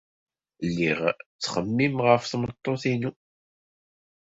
Lliɣ ttxemmimeɣ ɣef tmeṭṭut-inu.